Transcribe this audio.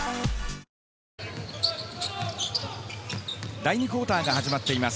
第２クオーターが始まっています。